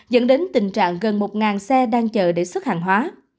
dẫn đến tình trạng gần một xe đang chờ để xuất hàng hóa